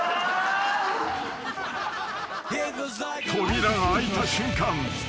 ［扉が開いた瞬間］